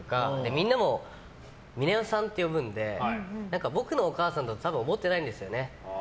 みんなも美奈代さんって呼ぶので僕のお母さんって多分思ってないんですよね。